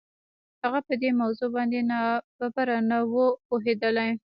هغه په دې موضوع باندې ناببره نه و پوهېدلی.